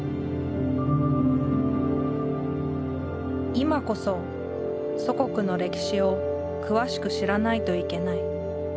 今こそ祖国の歴史を詳しく知らないといけない。